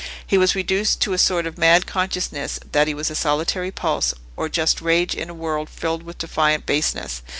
He was reduced to a sort of mad consciousness that he was a solitary pulse of just rage in a world filled with defiant baseness.